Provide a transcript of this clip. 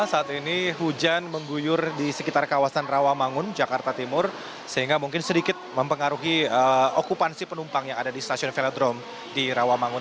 saat ini hujan mengguyur di sekitar kawasan rawamangun jakarta timur sehingga mungkin sedikit mempengaruhi okupansi penumpang yang ada di stasiun velodrome di rawamangun